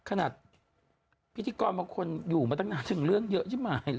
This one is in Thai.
ขนาดพิจิกรบางคนอยู่มาตั้งหน้าถึงเรื่องเยอะจี๋ยวไม